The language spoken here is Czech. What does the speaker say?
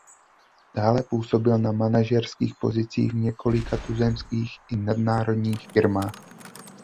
Dále působil na manažerských pozicích v několika tuzemských i nadnárodních firmách.